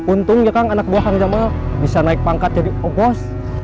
untungnya kang anak buah kang jamal bisa naik pangkat jadi bos